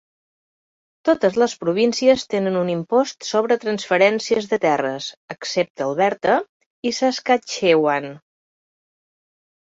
Totes les províncies tenen un impost sobre transferències de terres, excepte Alberta i Saskatchewan.